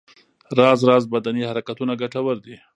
راز راز بدني حرکتونه ګټور دي.